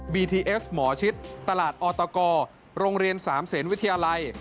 ทีเอสหมอชิดตลาดออตกโรงเรียน๓เซนวิทยาลัย